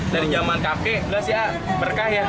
dari zaman kafe udah sih ya berkah ya